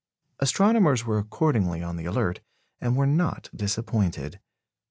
Astronomers were accordingly on the alert, and were not disappointed.